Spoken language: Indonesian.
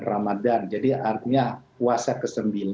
ramadhan jadi artinya puasa ke sembilan